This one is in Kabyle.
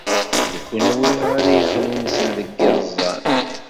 D kenwi ara yexnunsen deg yiẓẓan.